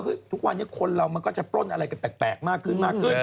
ว่าทุกวันนี้คนเรามันก็จะเปิดอะไรแปลกมากขึ้น